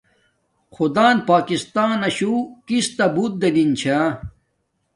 خدان پاکستاناشو کس تا بوت دنن چھا